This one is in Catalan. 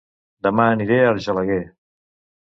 Dema aniré a Argelaguer